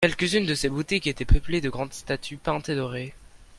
Quelques-unes de ces boutiques etaient peuplées de grandes statues peintes et dorées.